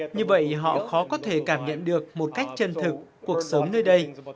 như vậy họ khó có thể cảm nhận được một cách chân thực cuộc sống nơi đây